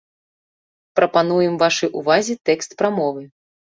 Прапануем вашай увазе тэкст прамовы.